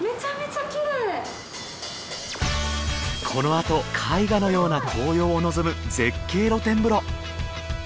このあと絵画のような紅葉を望む絶景露天風呂。